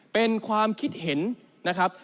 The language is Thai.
เป็นความคิดเห็นนะครับ